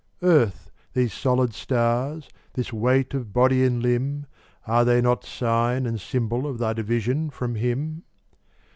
Earth, these solid stars, this weight of body and limb, Are they not sign and symbol of thy division from Him?